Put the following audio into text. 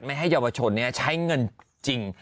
ไม่ให้เยาวชนนี้ใช้เงินจริง